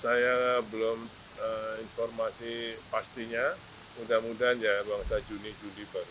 saya belum informasi pastinya mudah mudahan ya ruang saya juni juli